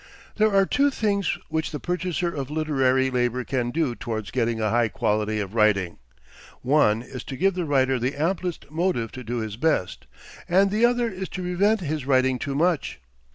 There are two things which the purchaser of literary labor can do towards getting a high quality of writing. One is, to give the writer the amplest motive to do his best; and the other is, to prevent his writing too much.